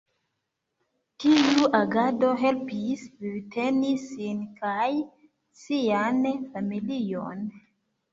Tiu agado helpis vivteni sin kaj sian familion.